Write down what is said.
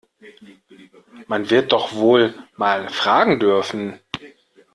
Man wird doch wohl mal fragen dürfen!